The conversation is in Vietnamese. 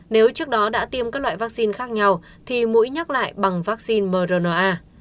nếu trước đó đã tiêm các loại vaccine khác nhau thì mũi nhắc lại bằng vaccine mrna